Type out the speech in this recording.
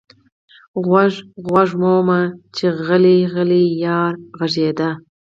غوږ، غوږ ومه چې غلـــــــی، غلـــی یار غږېده